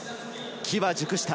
機は熟した。